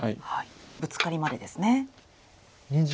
ブツカリまでですね。